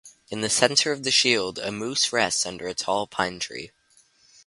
In the center of the shield, a moose rests under a tall pine tree.